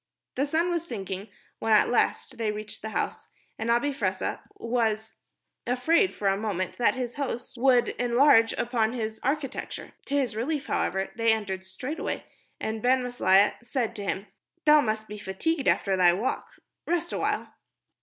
The sun was sinking when at last they reached the house, and Abi Fressah was afraid for a moment that his host would enlarge upon its architecture. To his relief, however, they entered straightway, and Ben Maslia said to him, "Thou must be fatigued after thy walk. Rest awhile."